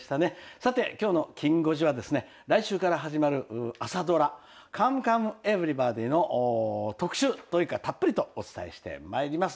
さて、きょうのきん５時は、来週から始まる朝ドラ、カムカムエヴリバディの特集、たっぷりとお伝えしてまいります。